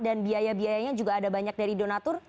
dan biaya biayanya juga ada banyak dari donatur